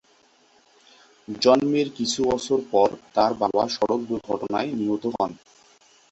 জন্মের কিছু বছর পর তার বাবা সড়ক দুর্ঘটনায় নিহত হন।